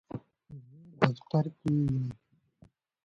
زه دفتر کې یم.